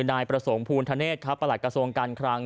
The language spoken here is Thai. นายประสงค์ภูณธเนธครับประหลัดกระทรวงการคลัง